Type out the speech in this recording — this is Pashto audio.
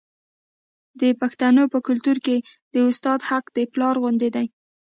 د پښتنو په کلتور کې د استاد حق د پلار غوندې دی.